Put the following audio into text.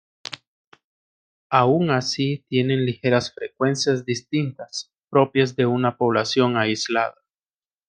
Aun así tienen ligeras frecuencias distintas, propias de una población aislada.